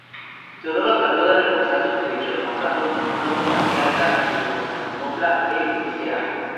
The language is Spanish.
Teodoro trató de reforzar sus derechos nombrando un nuevo Patriarca de Constantinopla en Nicea.